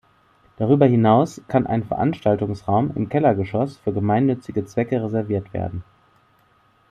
Darüber hinaus kann ein Veranstaltungsraum im Kellergeschoss für gemeinnützige Zwecke reserviert werden.